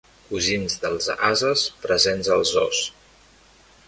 Cosins dels ases presents als zoos.